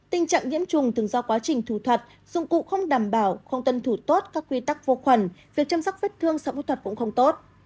tình trạng nhiễm trùng thường do quá trình thủ thuật dụng cụ không đảm bảo không tuân thủ tốt các quy tắc vô khuẩn việc chăm sóc vết thương sau phẫu thuật cũng không tốt